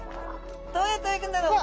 どうやって泳ぐんだろう。